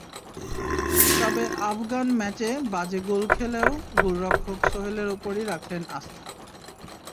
তবে আফগান ম্যাচে বাজে গোল খেলেও গোলরক্ষক সোহেলের ওপরই রাখলেন আস্থা।